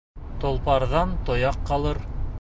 Толпарҙан тояҡ ҡалыр